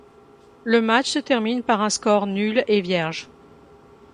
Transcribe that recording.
Le match se termine par un score nul et vierge.